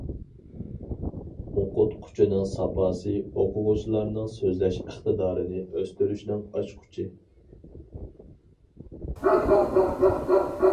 ئوقۇتقۇچىنىڭ ساپاسى ئوقۇغۇچىلارنىڭ سۆزلەش ئىقتىدارىنى ئۆستۈرۈشنىڭ ئاچقۇچى.